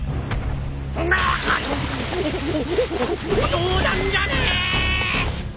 冗談じゃねえ！